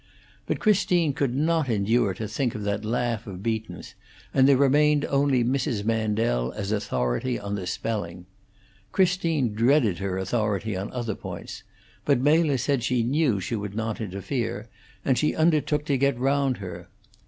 But Christine could not endure to think of that laugh of Beaton's, and there remained only Mrs. Mandel as authority on the spelling. Christine dreaded her authority on other points, but Mela said she knew she would not interfere, and she undertook to get round her.